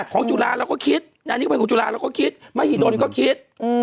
ของจุฬาตร์เราก็คิด